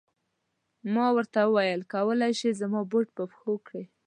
ما ورته و ویل چې کولای شې زما بوټ په پښو کړې.